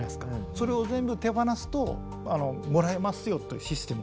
それを全部手放すともらえますよというシステムなんですよね。